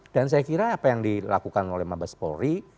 dan saya kira apa yang dilakukan oleh mbak bas polri